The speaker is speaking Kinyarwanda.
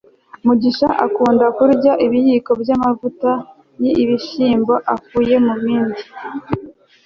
mugisha akunda kurya ibiyiko by'amavuta y'ibishyimbo akuye mu kibindi